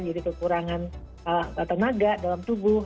jadi kekurangan tenaga dalam tubuh